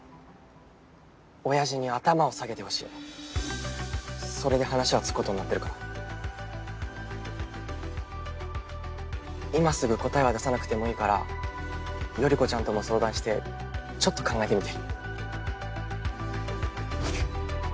親父に頭を下げてほしいそれで話はつくことになってるから今すぐ答えは出さなくてもいいから頼子ちゃんとも相談してちょっと考えてみて・